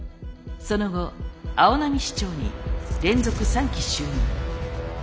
その後青波市長に連続３期就任。